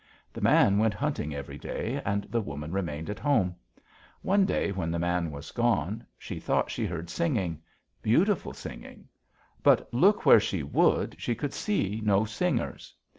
"The man went hunting every day, and the woman remained at home. One day, when the man was gone, she thought she heard singing; beautiful singing; but look where she would she could see no singers.